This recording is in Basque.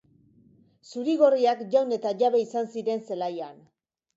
Zuri-gorriak jaun eta jabe izan ziren zelaian.